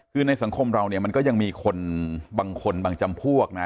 คือในสังคมเราเนี่ยมันก็ยังมีคนบางคนบางจำพวกนะ